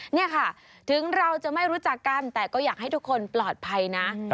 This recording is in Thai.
นี่ค่ะถึงเราจะไม่รู้จักกันแต่ก็อยากให้ทุกคนปลอดภัยนะ